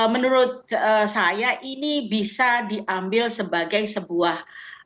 menurut saya ini bisa diambil sebagai sebuah